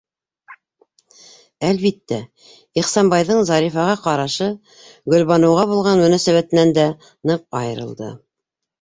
Әлбиттә, Ихсанбайҙың Зарифаға ҡарашы Гөлбаныуға булған мөнәсәбәтенән дә ныҡ айырылды.